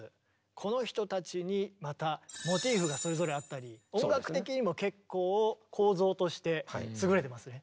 この人たちにまたモチーフがそれぞれあったり音楽的にも結構構造として優れてますね。